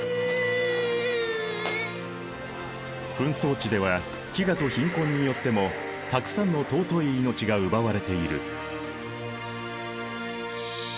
紛争地では飢餓と貧困によってもたくさんの尊い命が奪われている。